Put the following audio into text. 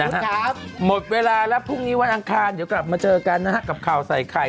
ครับหมดเวลาแล้วพรุ่งนี้วันอังคารเดี๋ยวกลับมาเจอกันนะฮะกับข่าวใส่ไข่